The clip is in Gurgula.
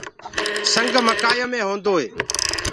سنگ مڪآيو مي هوندوئي